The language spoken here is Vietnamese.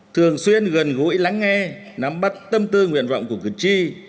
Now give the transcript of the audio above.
thường xuyên gần gũi lắng nghe nắm bắt tâm tư nguyện vọng của cử tri